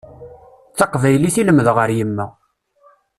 D taqbaylit i lemdeɣ ar yemma.